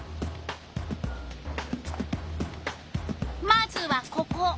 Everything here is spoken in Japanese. まずはここ！